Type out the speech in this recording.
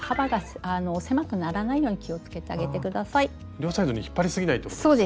両サイドに引っ張りすぎないということですね。